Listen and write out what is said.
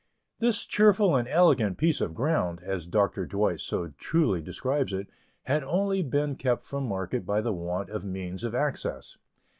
This "cheerful and elegant piece of ground," as Dr. Dwight so truly describes it, had only been kept from market by the want of means of access.